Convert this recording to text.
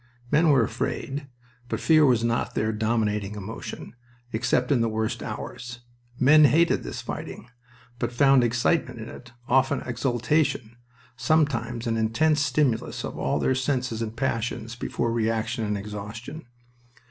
Men were afraid, but fear was not their dominating emotion, except in the worst hours. Men hated this fighting, but found excitement in it, often exultation, sometimes an intense stimulus of all their senses and passions before reaction and exhaustion.